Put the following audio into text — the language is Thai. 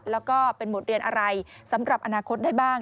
แล้วก็เป็นบทเรียนอะไรสำหรับอนาคตได้บ้าง